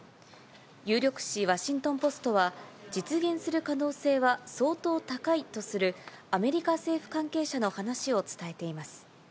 有力紙ワシントンポストは、実現する可能性は相当高いとするアメリカ政府関係者の話を伝えています。